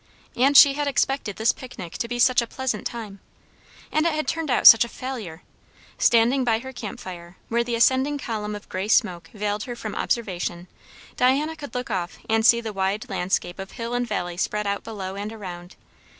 And she had expected this picnic to be such a pleasant time! And it had turned out such a failure. Standing by her camp fire, where the ascending column of grey smoke veiled her from observation, Diana could look off and see the wide landscape of hill and valley spread out below and around.